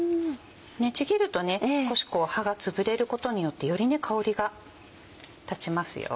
ちぎると少し葉がつぶれることによってより香りが立ちますよ。